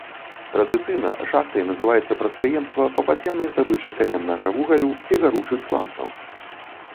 Традыцыйна шахтай называецца прадпрыемства па падземнай здабычы каменнага вугалю ці гаручых сланцаў.